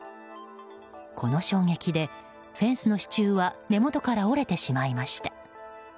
この衝撃でフェンスの支柱は根元から折れてしまいました。